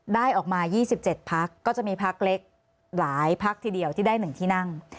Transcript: ได้ออกมา๒๗พักก็จะมีพักเล็กหลายพักทีเดียวที่ได้๑ที่นั่ง